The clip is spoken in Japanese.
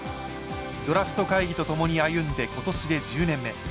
ドラフト会議と共に歩んで、今年で１０年目。